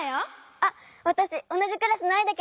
あっわたしおなじクラスのアイだけど。